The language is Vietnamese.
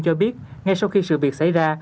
cho biết ngay sau khi sự việc xảy ra